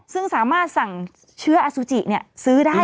ซึ่งสามารถสั่งเชื้ออสุจิซื้อได้